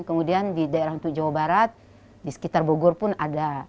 kemudian di daerah untuk jawa barat di sekitar bogor pun ada